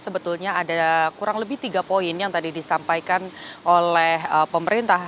sebetulnya ada kurang lebih tiga poin yang tadi disampaikan oleh pemerintah